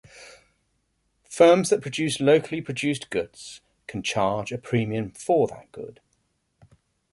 Firms that produce locally produced goods can charge a premium for that good.